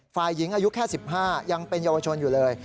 ฝ่ายหญิงอายุแค่๑๕ยังเป็นเยาวชนอยู่เลย